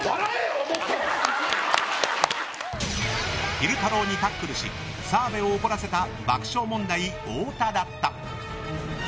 昼太郎にタックルし澤部を怒らせた爆笑問題・太田だった。